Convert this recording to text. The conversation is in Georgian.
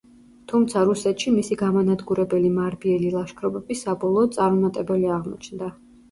თუმცა რუსეთში მისი გამანადგურებელი მარბიელი ლაშქრობები საბოლოოდ წარუმატებელი აღმოჩნდა.